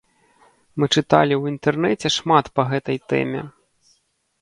Мы чыталі ў інтэрнэце шмат па гэтай тэме.